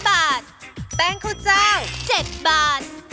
๕บาทแป้งโครเจ้า๗บาท